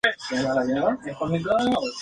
Esta dedicada a San Eustaquio de Roma.